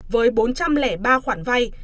với bốn trăm linh ba khoản vay